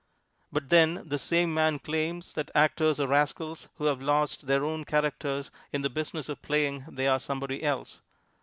But then this same man claims that actors are rascals who have lost their own characters in the business of playing they are somebody else.